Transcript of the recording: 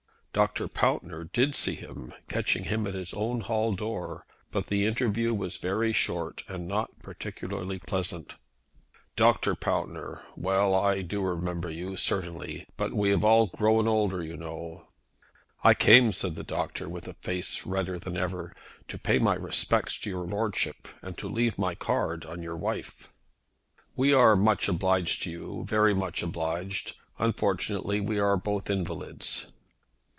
Dr. Pountner did see him, catching him at his own hall door, but the interview was very short, and not particularly pleasant. "Dr. Pountner. Well; I do remember you, certainly. But we have all grown older, you know." "I came," said the doctor, with a face redder than ever, "to pay my respects to your Lordship, and to leave my card on your wife." "We are much obliged to you, very much obliged. Unfortunately we are both invalids."